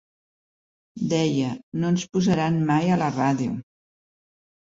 Deia, 'no ens posaran mai a la ràdio'.